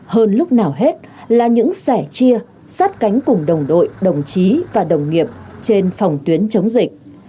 hơn lúc nào hết là những sẻ chia sát cánh cùng đồng đội đồng chí và đồng nghiệp trên phòng tuyến chống dịch